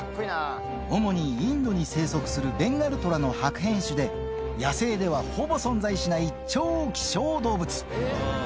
主にインドに生息するベンガルトラの白変種で、野生ではほぼ存在しない超希少動物。